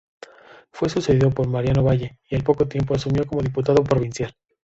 Fue sucedido por Mariano Valle, y al poco tiempo asumió como diputado provincial.